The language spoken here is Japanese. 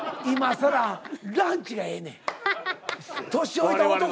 今更「ランチがええねん」。